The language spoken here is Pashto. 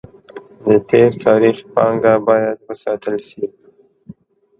د تېر تاريخ پانګه بايد وساتل سي.